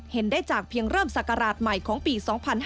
เห็นได้จากเพียงเริ่มศักราชใหม่ของปี๒๕๕๙